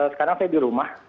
sekarang saya di rumah